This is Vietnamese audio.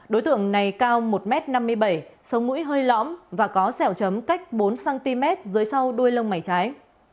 đối tượng này cao một m năm mươi bảy sống mũi hơi lõm và có sẹo chấm cách bốn cm dưới sau đuôi lông mảy trái